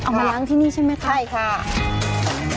เอามาล้างที่นี่ใช่ไหมคะอเรนนี่สวัสดีครับใช่ค่ะ